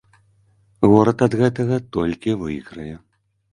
Горад ад гэтага толькі выйграе.